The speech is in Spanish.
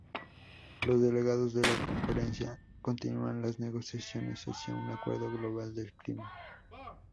Los delegados de la conferencia continúan las negociaciones hacia un acuerdo global del clima.